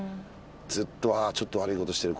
ずっとちょっと悪い事してる。